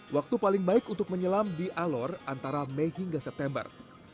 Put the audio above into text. waktu paling baik untuk menyelam di alor antara mei hingga september